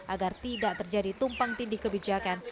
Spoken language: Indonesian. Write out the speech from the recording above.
agar tidak terjadi tumpang tindih kebijakan